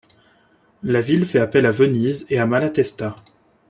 La ville fait appel à Venise et à Malatesta.